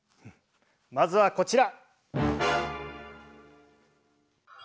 まずはこちら。